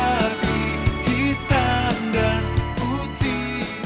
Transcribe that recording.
udah jarang dulu sering